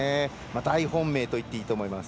大本命といっていいと思います。